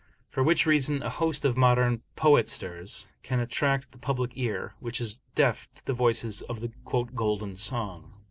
For which reason, a host of modern poetasters can attract the public ear, which is deaf to the voices of the "Golden Song."